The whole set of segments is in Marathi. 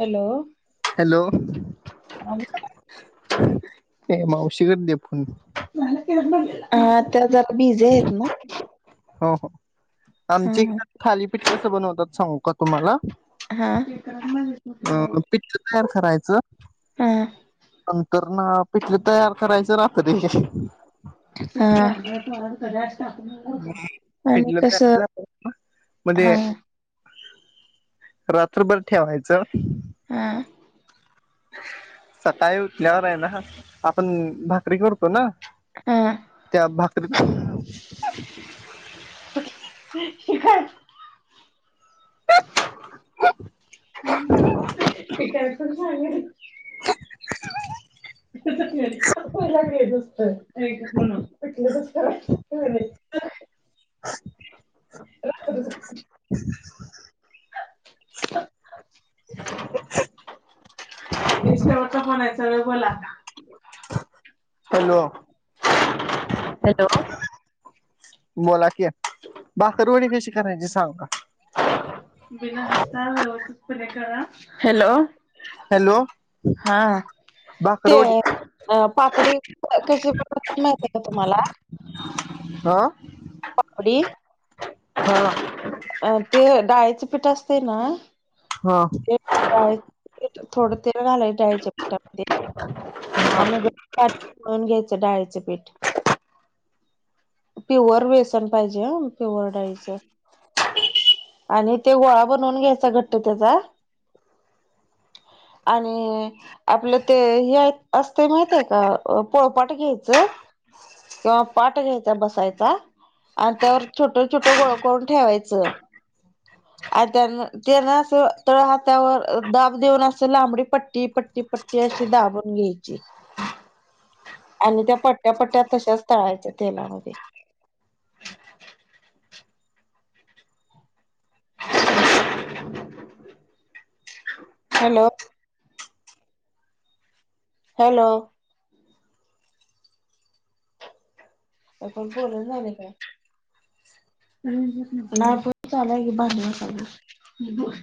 हॅलो. हॅलो हा हे मावशी कडे दे फोन हा त्या जरा बीजी आहेत ना हो हो हा आमचे हा इकडे थालीपीठ कसं बनवतात सांगू का तुम्हाला? हा अं पीठ प्रिपेअर करायचं नंतर ना पिठले तयार करायचं रात्री हा. आणि पिठलं कस तयार झालं हा म्हणजे रात्रभर ठेवायचं हा. सकाळी उठल्यावर आहे ना आपण भाकरी करतो ना हा त्या भाकरी [unintelligible] [unintelligible] [unintelligible] ह [unintelligible] [unintelligible] [unintelligible] ह ह [unintelligible] ते शेवटं फोन आहे सरळ बोला आता..... हॅलो..... हॅलो... बोला कि बाकरवडी कशी करायची सांग का बिना्य हॅलो हॅलो... हा ते.... भाकरवडी अ पापडी कशी प्रकार माहित आहे का तुम्हाला... हो... पापडी... हो.... अ ते डाळीच पीठ असते ना... हा... डाळीत थोडं तेल घालाय डाळीच्या पीठामध्ये.... आणि पाण्याने मळून घ्यायचं डाळीचे पीठ... प्युअर बेसन पाहिजे ह प्युअर डाळीचं... आणि ते गोळा बनवून घ्यायचा घट्ट त्याचा... आणि... आपलं ते हे असत माहितये का पोळपाट घ्यायचं... किंवा पाठ घ्यायचा बसायचा आणि त्यावर छोट-छोट गोळ करून ठेवायच... चं.... अ त्यान-त्यान असं तळ हातावर दाब देऊन असं लांबडी पट्टी-पट्टी-पट्ट.... ती अशी दाबून घ्यायची..... आणि त्या पट्ट्या-पट्ट्या तशाच तळायच्या तेलामध्ये.... हॅलो. हॅलो.... हॅलो अरे पण बोलायला झालाय काय? नाय पण चालायले भांडे घासायले....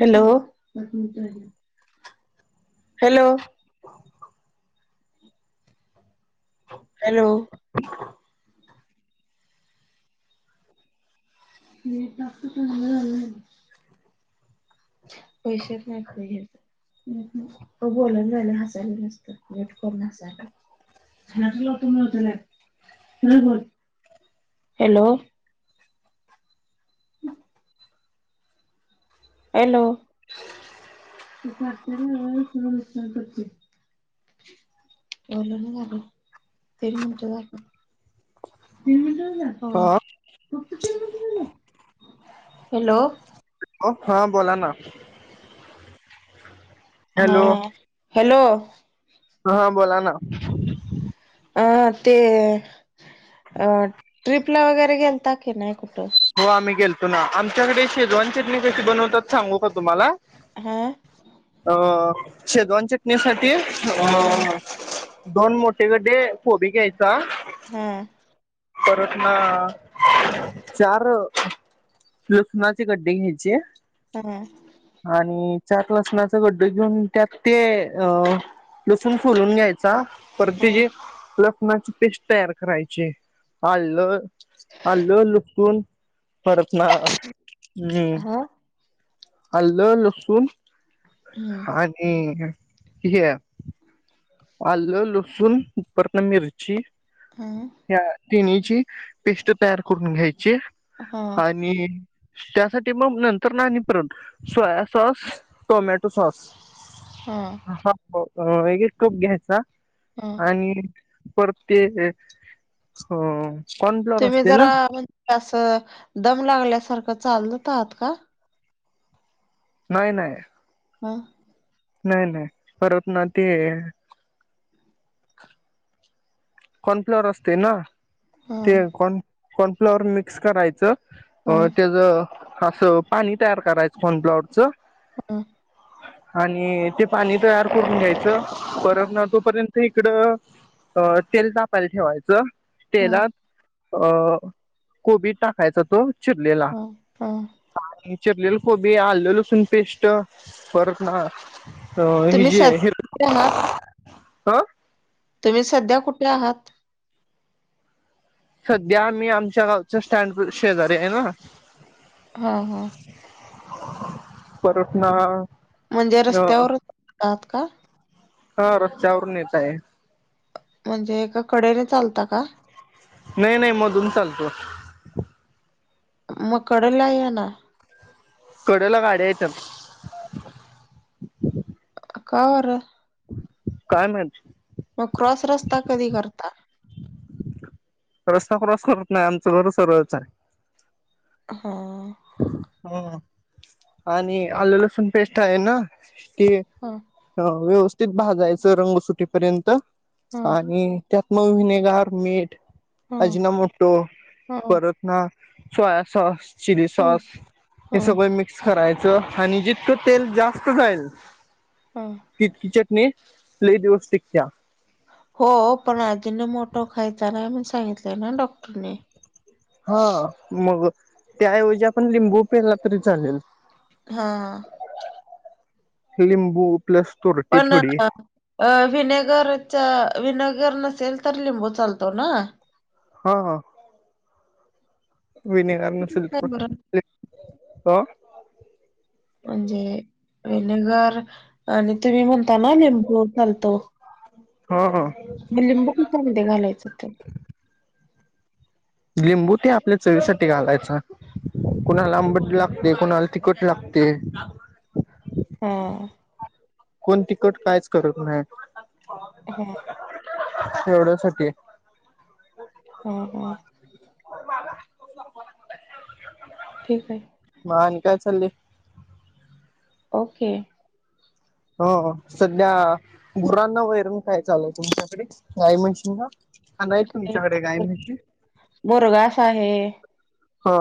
हॅलो.... हॅलो हॅलो.... हॅलो.... हे ट झा [unintelligible] पैशाच नको घ्याचा.... बोलात राहिलं हसायला नसतं यट करण हसायला..... हॅलो.... हॅलो त करते.... बोला ना झालाय तरी म्हणतोय असा.... हा हॅलो... हो हा बोला ना हा हॅलो हॅलो... हां बोला ना... अ ते अ ट्रिपला वगैरे गेलता की नाही कुठं? हो आम्ही गेलतो ना आमच्याकडे शेजवान चटणी कशी बनवतात सांगू का तुम्हाला? हा.... अ शेजवान चटणीसाठी अ..... हा दोन मोठे गड्डे कोबी घ्यायचा..... हम्म.... परत ना... चार लसणाचे गड्डे घ्यायचे. हा. आणि चार लसनाचा गड्ड घेऊन त्यात ते अ लसूण सुलून घ्यायचा परत हा तेजे लसणाची पेस्ट. तयार करायचे अल्ल अल्ल. सून परतना हम्म. हा अल्ल लसून. हा. आणि हे. आलं लसूण उपर्न मिरची. हम्म. ह तिणीची पेस्ट तयार करून घ्यायची हा आणि. त्यासाठी मग नंतर नाही परत सोया सॉस टोमॅटो सॉस. हा. हा मग एक कप घ्यायचा हा आणि. परत ते अ तुम्ही जरा म्हणजे असं दम लागल्यासारखं चालत आहात का. नाही नाही. ह नाही नाही परत ना ते. कॉर्नफ्लॉवर असते ना हा ते कॉन कॉर्नफ्लॉवर मिक्स करायचं. हा अ त्याच असं पाणी तयार करायचं कन कॉर्नफ्लॉवरचं. हा. आणि ते पाणी तयार करून घ्यायचं परत ना तोपर्यंत इकडं. अ ह त. तेल तापायला ठेवायचं हा तेलात अ कोबीर टाकायचा तो. चटलेला. हा हा आणि चिरलेल कोबी आललेल असून पेस्ट फरत ना. हो तुम्ही स हेजे हीर कुठे आहात अ. तुम्ही सध्या कुठे आहात. सध्या मी आमच्या गावच्या स्टँड अ शेजारी आहे ना. हा हा. परतना. म्हणजे रस्त्यावरच आहात का. हा रस्त्यावरून येत आहे. म्हणजे एका कडेने चालता का. नाही नाही मधून चालतो. मकडं लाय ना. कडोला गाड्यायेतं का बरं. काय मत. मग क्रॉस रस्ता कधी करता. रस्ता क्रॉस करत नाही आमचं घर सरळ आहे. हा. ह आणि आलू लसूण पेस्ट आहे ना ती. हा. ह व्यवस्थित भाजयचं रंगसुटीपर्यंत हा हा आणि. त्यात म विनेगार मीठ हा अजिनामतो हा परत. ना सोया सॉस चली सॉस हे हा सब मिक क्स करायचं आणि जितकं तेल जास्त जाईल. हा. तितकी चटणी लई दिवस टिकत्या. हो पण आजीनोमोटो खायचा नाही म्हणुन सांगितलंय ना डॉक्टरने. हा. मग त्याऐवजी आपण लिंबू पेळला तरी चालेल. हा. लिंबु. प्लस [unintelligible] पण अ - - अ व्हिनेगरच व्हिनेगर नसेल तर लिंबू चालतो ना. हा. हा. व्हिनेगर नसेल काय तर मगं बरं लिंबु चालतो. म्हणजे विनेगर आणि तुम्ही म्हणता ना लिंबू चालतो. हा. हा. मग लिंबू कशासाठी घालायचं त्यात? लिंबू ते आपल्या चवीसाठी घालायचा. कोणाला आंबट लागते. कोणाला तिखट लागते. हा. कोण तिकट कायच करत नाही. हा एवढ्यासाठी. हं. ह. [inaudible] ठीक हाय. म आणि काय चालयं? ओके. हो. हो. सध्या गुरांना वैरन काय चालुयं तुमच्याकडे गाईम्हशिंना? का नाही तुमच्याकडे गाईम्हशी? बोरगास आहे हो.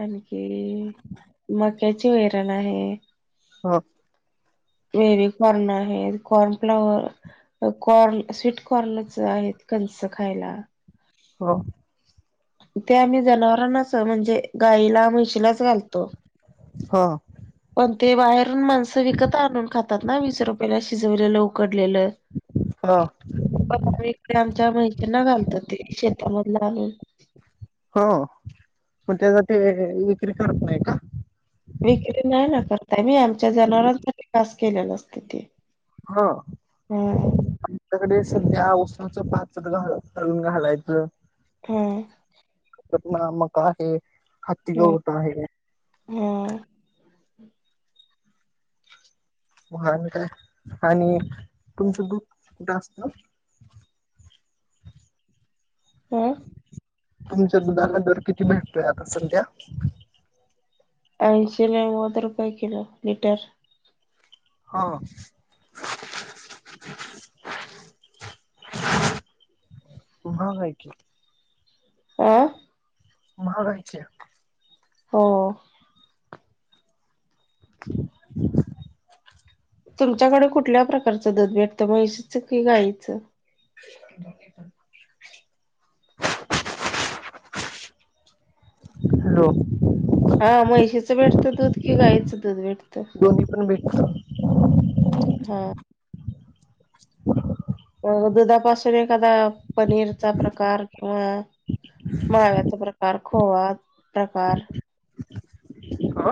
आणखी मक्याची वैरण आहे. हा. वेरी कॉर्न आहे. कॉर्न फ्लावर कॉर्न स्वीट कॉर्नच आहेत. कंस खायला. हो. ते आम्ही जनावरांनाच म्हणजे गायला, म्हशीलाच घालतो. हा. पण ते बाहेरून माणसं विकत आणून खातात ना. वीस रुपयला शिजवलेलं, उकडलेलं. हा. पण आम्ही इथं आमच्या मैशींना घालतो ते शेतामधल आणुन. हो. पण त्यासाठी विक्री करत नाही का? विक्री नाही ना करताय आमी आमच्या जनावरांसाठी खास केलेला असतयं ते. हा. हा त्याकडे सध्या उसाचं पात घाल काढुन घालायचं. हम्. आमच्यात ना मक्का आहे. हत्ती हा गवत आहे. हा. म आणि काय? आणि तुमचं दुध कुठं असत? हममम. तुमच्या दुधाला दर किती भेटतोय आता संध्या? अंशी नव्वद रुपय किलो लिटर. हाआ. म्हांग हाय की. अं. महाग हाय की. हो. [unintelligible] तुमच्याकडे कुठल्या प्रकारचं दध भेटतं मैशीच कि गायचं? [unintelligible] [unintelligible] हॅलो! हा म्हैशीचं भेटतं दूध की गायचं दूध भेटतं? दोनही पण भेटत. हो. [unintelligible] दुधापासून एखादा पनीरचा प्रकार किंवा. माव्याचा प्रकार खोवा प्रकार. हा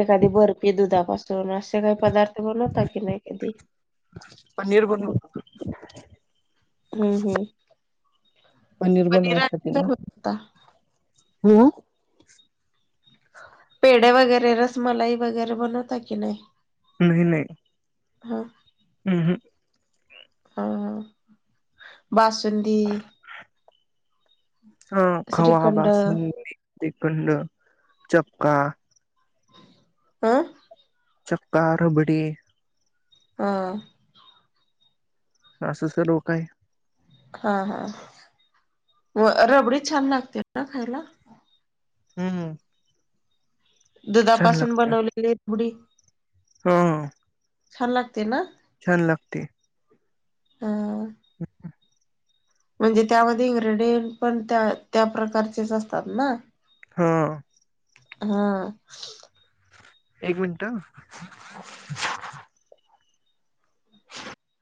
एखादी बर्फी दुधापासून असे काही पदार्थ बनवता की नाही एखादी. पनीर बनवतो. हम्म हम्. पनीर बनवायसाठी आणि काय ना बनवता हम्म. पेढ्या वगैरे, रसमलाई वगैरे बनवता की नाही. नाही नाही. [inaudible] हा [inaudible] हम् हम. हा बासुंदी. [inaudible] हा खवा, श्रीखंड बासुंदी ते खंड, चक्का. आं. चक्का, रबडी. हा. असं सर्व आहे. हा हा व अ रबडी छान लागते का खायला. हम हम. दुधापासून बनवलेली रबडी. [inaudible] हो. छान लागते ना? छान लागते. अ. [unintelligible] म्हणजे त्यामध्ये इन्ग्रेडियंट पण त्या त्या प्रकारचेच असतात ना? हा. हा. एक मिनिट.